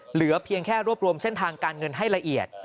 เหลือเพียงแค่รวบรวมเส้นทางการเงินให้ละเอียด